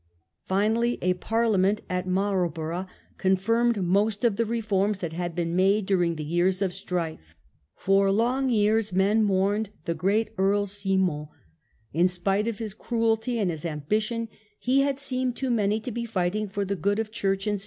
Finally a parliament at Marlborough confirmed most of the reforms that had been made during the years of strife. For long years men mourned the great Earl Simon. In spite of his cruelty and his ambition he had seemed Simon de to many to be fighting for the good of church Montfort.